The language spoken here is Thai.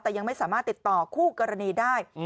แต่ยังไม่สามารถติดต่อคู่กรณีได้